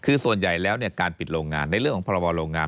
คือส่วนใหญ่แล้วการปิดโรงงานในเรื่องของพรบโรงงาน